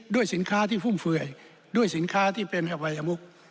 สินค้าที่ฟุ่มเฟื่อยด้วยสินค้าที่เป็นอวัยมุก